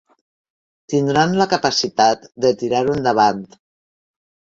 Tindran la capacitat de tirar-ho endavant.